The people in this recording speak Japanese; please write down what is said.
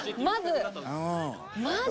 まず！